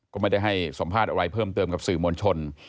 ก็ไม่ได้ให้สัมภาษณ์อะไรเพิ่มเติมกับสื่อมวลชน